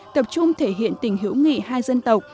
tập trung thể hiện tình hữu nghị hai dân tộc